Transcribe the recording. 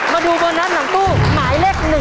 มาดูโบนัสหลังตู้หมายเลข๑